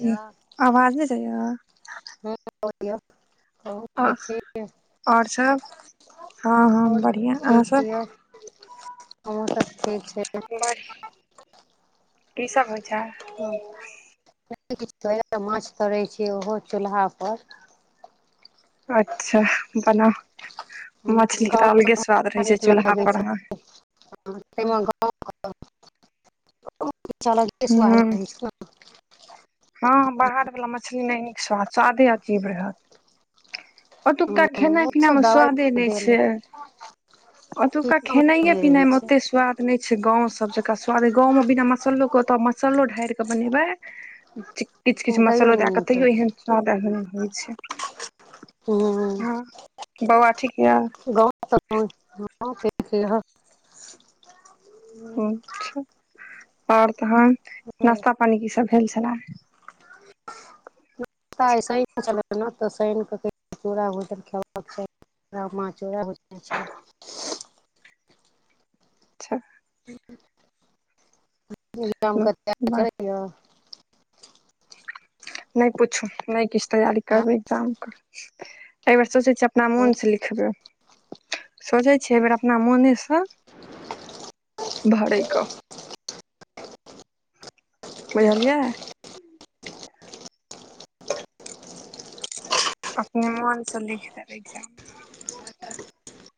य आवाज नहि जाहिया। कहू आ ठीक छी ओर सब। हँ-हँ, आओर बढ़िआँ अहाँ सभ। हमहुँ सभ ठीक छै। बढ़िया की सब होइ छै ह [unintelligible] नइ किछ [unintelligible] माछ तरैत छै ओहो चूल्हा पर। अच्छा। बनाउ मछली के गाँव तऽ अलगे स्वाद रहे बड़ा छैम नीक चूल्हा लगै छै परहा ताहिमे गाम घर [unintelligible] ह [inaudible] हँ। बाहर वला मछली नहि नीक स्वाद स्वादे अजीब रहत ओतुका खेनाइ ओ पीनाइ सब मे दवाइ स्वादे नहि देल छै ओतुका टीका मे खेनाइये नहि रहै पीनाइ मे छै ओते स्वाद नहि छै गाँवसभ जकाँ स्वाद अइ गाँवमे बिना मसाल्लोके तऽ मसाल्लो ढारि कऽ बनेबै किछ किछ तैयो मसालो दए नहि क नीक होइ तैयो छै एहन स्वाद एने होइ छै हँ बौआ ठीक ये गाँव त [unintelligible] गांव अच्छा आओर तहन नाश्ता पानी की सब भेल छले ऐसा [unintelligible] नहि चल ओना तऽ शनि कऽ [unintelligible] चूरा भुजन खेबाक चाही [unintelligible] चूरा भुजने छलै अच्छा [unintelligible] नहि पूछू नहि किछु तैयारी हँ करब एक्जामके एहि बेर सोचै छियै अपना मोनसँ लिखबै सोचै छियै एहि बेेर अपना मोनेसँ भड़ै क बझलियै अपने मोन से लिख देबय इगजाम मे [inaudible]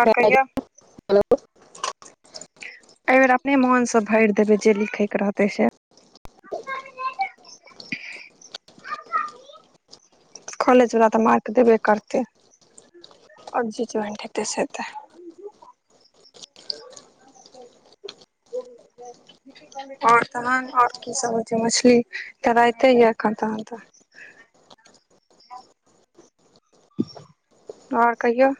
आओर कहियौ एहि बेेर अपने मोन सँ भरि देबै जे लिखै के रहतै से कॉलेज वला तऽ मार्क देबे करतै आओर जे [unintelligible] खेती सँ हेतै [inaudible] आओर तहन आओर की सब होइ छै मछली तराइते ये एखन तहन तऽ [inaudible] आओर कहियौ